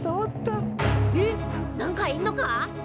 えっ！？なんかいんのか！？